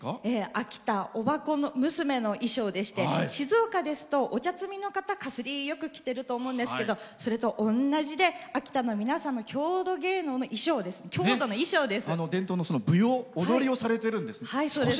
秋田おばこ娘の衣装で静岡ですとお茶摘みの方よく着ていると思うんですけどそれと同で秋田の皆さんの郷土の衣装です。